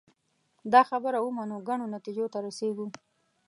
دا خبره ومنو ګڼو نتیجو ته رسېږو